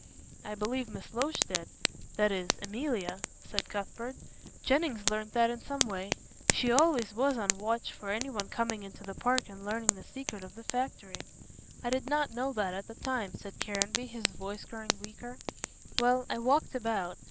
"I believe Miss Loach did that is, Emilia," said Cuthbert. "Jennings learned that in some way. She always was on the watch for anyone coming into the park and learning the secret of the factory." "I did not know that at the time," said Caranby, his voice growing weaker. "Well, I walked about.